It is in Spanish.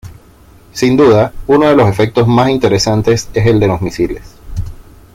Sin duda, uno de los efectos más interesantes es el de los misiles.